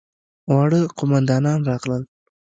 واړه قوماندان راغلل.